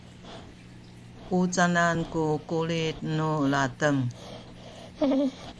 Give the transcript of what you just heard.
u canan ku kulit nu ladem?